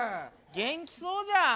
元気そうじゃん。